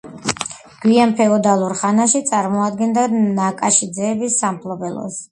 გვიან ფეოდალურ ხანაში წარმოადგენდა ნაკაშიძეების სამფლობელოს.